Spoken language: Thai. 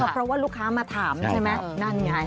เพราะว่าลูกค้ามาถามใช่ไหม